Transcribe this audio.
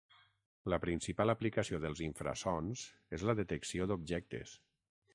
La principal aplicació dels infrasons és la detecció d'objectes.